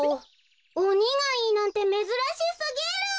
おにがいいなんてめずらしすぎる。